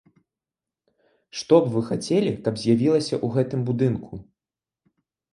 Што б вы хацелі, каб з'явілася ў гэтым будынку?